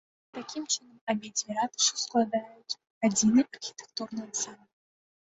Такім чынам, абедзве ратушы складаюць адзіны архітэктурны ансамбль.